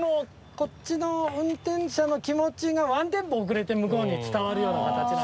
こっちの運転者の気持ちがワンテンポ遅れて向こうに伝わるような形なんで。